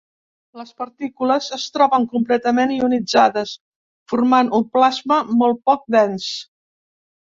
Les partícules es troben completament ionitzades formant un plasma molt poc dens.